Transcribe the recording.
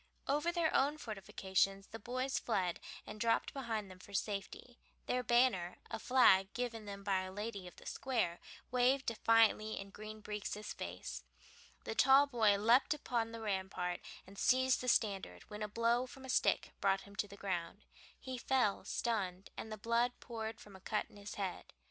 Over their own fortifications the boys fled and dropped behind them for safety. Their banner, a flag given them by a lady of the Square, waved defiantly in Green Breeks' face. The tall boy leaped upon the rampart and seized the standard, when a blow from a stick brought him to the ground. He fell stunned, and the blood poured from a cut in his head.